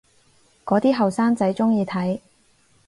嗰啲後生仔鍾意睇